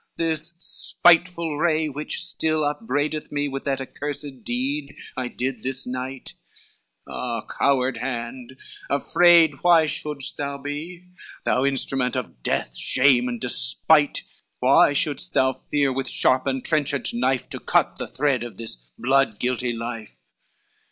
This spiteful ray which still upbraideth me With that accursed deed I did this night, Ah, coward hand, afraid why should'st thou be; Thou instrument of death, shame and despite, Why should'st thou fear, with sharp and trenchant knife, To cut the thread of this blood guilty life?